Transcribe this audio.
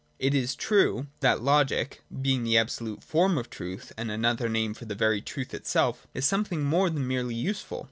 It is true that Logic, being the absolute form of truth, and another name for the very truth itself, is something more than merely useful.